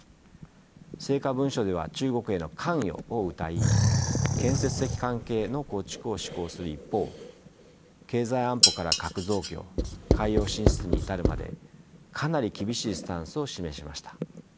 成果文書では中国への関与をうたい建設的関係の構築を志向する一方経済安保から核増強海洋進出に至るまでかなり厳しいスタンスを示しました。